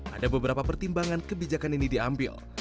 ada beberapa pertimbangan kebijakan ini diambil